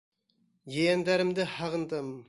Ейәндәремде һағындым!..